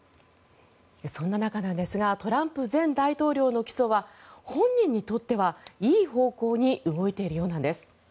そんな中なんですがトランプ前大統領の起訴は本人にとっては、いい方向に動いているようなんです。